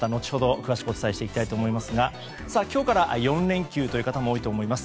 詳しくお伝えしていきたいと思いますが今日から４連休という方も多いと思います。